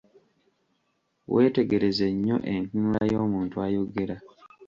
Weetegereze nnyo entunula y'omuntu ayogera.